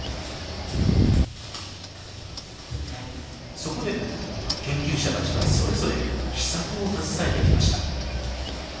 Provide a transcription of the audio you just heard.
そこで研究者たちはそれぞれ秘策を携えてきました。